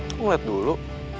aku ngeliat dulu